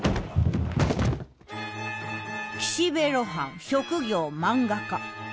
岸辺露伴職業漫画家。